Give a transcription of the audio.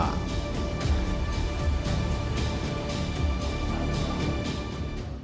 tim liputan tv